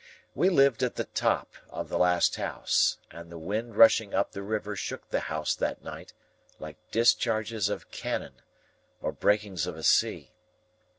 We lived at the top of the last house, and the wind rushing up the river shook the house that night, like discharges of cannon, or breakings of a sea.